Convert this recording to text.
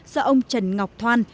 do ông trần ngọc thoan